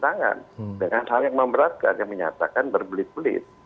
dengan hal yang memberatkan yang menyatakan berbelit belit